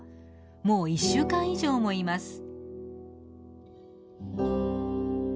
もう１週間以上もいます。